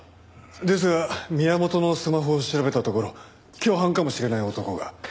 ですが宮本のスマホを調べたところ共犯かもしれない男が。